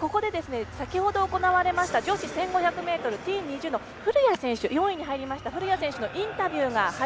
ここで先ほど行われました女子１５００ｍＴ２０で４位に入った古屋選手のインタビューです。